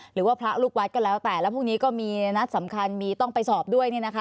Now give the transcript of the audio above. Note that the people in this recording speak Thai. หรือว่าพระลูกวัดก็แล้วแต่แล้วพรุ่งนี้ก็มีนัดสำคัญมีต้องไปสอบด้วย